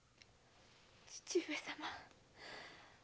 義父上様！